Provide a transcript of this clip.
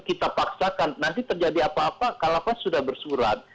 kita paksakan nanti terjadi apa apa kalapas sudah bersurat